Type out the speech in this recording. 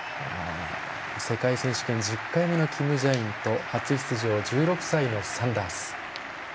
世界選手権１０回目のキム・ジャインと初出場１６歳のサンダース。